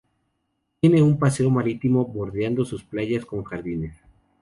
Tiene un paseo marítimo bordeando sus playas, con jardines.